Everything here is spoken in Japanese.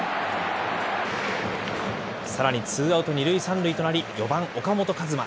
さらにツーアウト２塁３塁となり、４番岡本和真。